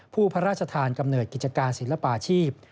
พระราชทานกำเนิดกิจการศิลปาชีพ